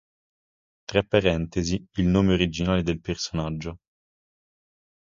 Tra parentesi il nome originale del personaggio.